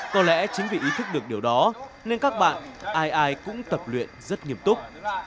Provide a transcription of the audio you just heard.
có lẽ chính vì ý thức được điều đó nên các bạn ai ai cũng tập luyện rất nghiêm túc